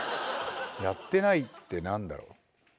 やってないって何だろう。